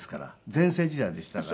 全盛時代でしたから。